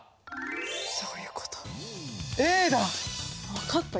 分かった。